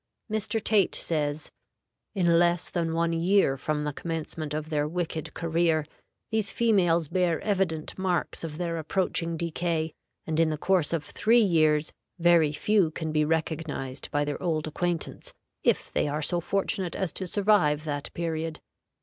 Mr. Tait says, "In less than one year from the commencement of their wicked career these females bear evident marks of their approaching decay, and in the course of three years very few can be recognized by their old acquaintance, if they are so fortunate as to survive that period.